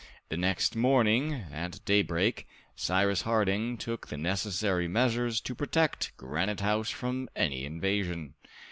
The next morning, at daybreak, Cyrus Harding took the necessary measures to protect Granite House from any invasion.